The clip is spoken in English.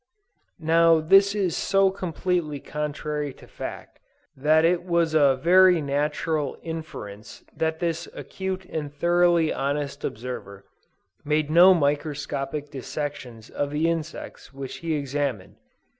Now this is so completely contrary to fact, that it was a very natural inference that this acute and thoroughly honest observer, made no microscopic dissections of the insects which he examined.